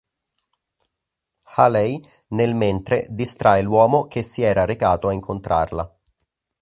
Haley nel mentre distrae l'uomo che si era recato a incontrarla.